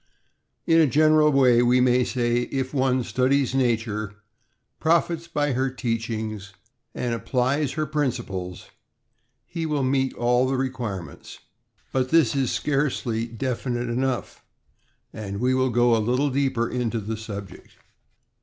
In a general way, we may say if one studies nature, profits by her teachings, and applies her principles, he will meet all the require ments. But this is scarcely definite enough, and we will go a little deeper into the subject.